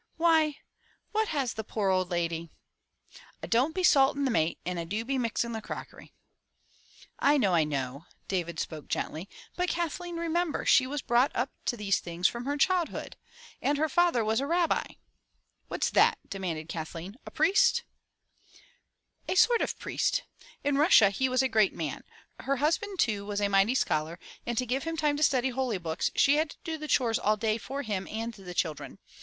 "Why, what has the poor old lady —" "I don't be saltin' the mate and I do be mixin' the crockery —" "I know, I know," David spoke gently, "but Kathleen, remember, she was brought up to these things from her childhood. And a Rabbi." "What's that?" demanded Kathleen, "a priest?" father 192 FROM THE TOWER WINDOW *'A sort of a priest. In Russia he was a great man. Her husband too was a mighty scholar and to give him time to study holy books, she had to do chores all day for him and the children.